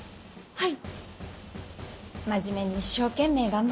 はい。